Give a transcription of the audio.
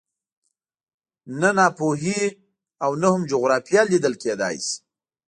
نه ناپوهي او نه هم جغرافیه دلیل کېدای شي